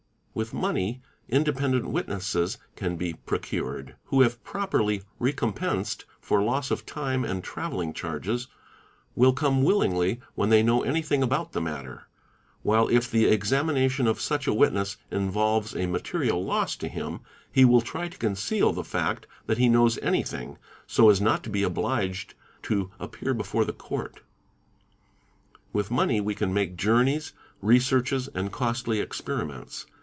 With money, independent witnesses can be procured, who if properly recompensed for loss of time and travelling charges will come willingly when they know anything about the matter, while if the examination of such a witness involves a material loss to him, he will try to conceal the fact that he knows anything, so as not to be obliged to appear before the court. With money, we can make journeys, researches, and costly experiments.